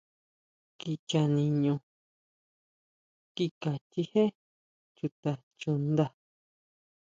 Kicha niʼño kika chijé chuta chuʼnda.